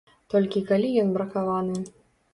Толькі калі ён бракаваны.